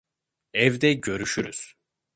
Evde görüşürüz.